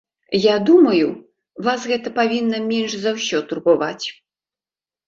Я думаю, вас гэта павінна менш за ўсё турбаваць.